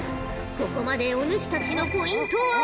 ここまでお主たちのポイントは。